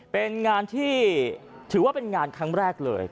เป็นงานที่ถือว่าเป็นงานครั้งแรกเลย